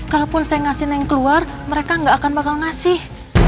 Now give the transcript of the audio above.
kalaupun saya ngasih neng keluar mereka gak akan bakal ngasih